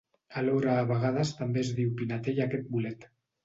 Alhora a vegades també es diu pinetell a aquest bolet.